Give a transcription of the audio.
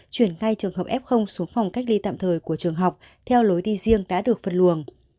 chuyển ngay trường hợp f xuống phòng cách ly tạm thời của trường học theo lối đi riêng đã được phân luồng